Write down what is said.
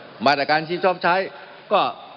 มันมีมาต่อเนื่องมีเหตุการณ์ที่ไม่เคยเกิดขึ้น